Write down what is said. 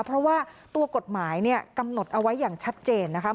เพราะว่าตัวกฎหมายเนี่ยกำหนดเอาไว้อย่างชัดเจนนะคะ